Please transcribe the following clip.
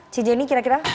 si jenny kira kira